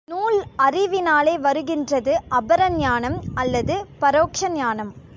நூல் அறிவினாலே வருகின்றது அபரஞானம், அல்லது பரோக்ஷ ஞானம்.